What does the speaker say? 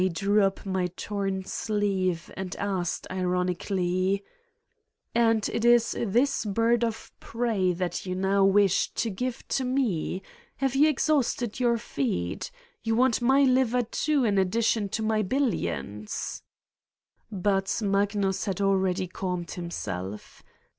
I drew up my torn sleeve and asked ironically: "And it is this bird of prey that you now wish to give to me? Have you exhausted your feed? You want my liver, too, in addition to my bil lions?" 247 Satan's Diary But Magnus had already calmed himself.